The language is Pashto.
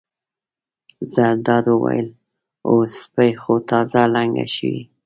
زرداد وویل: هو سپۍ خو تازه لنګه شوې.